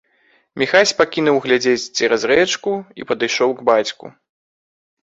Міхась пакінуў глядзець цераз рэчку і падышоў к бацьку.